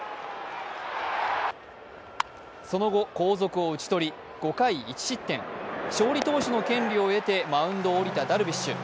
その後、後続を打ち取り、５回１失点勝利投手の権利を得てマウンドを降りたダルビッシュ。